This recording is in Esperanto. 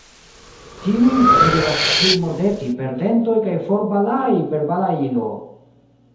Tiujn vi devas scii mordeti per dentoj kaj forbalai per balailo!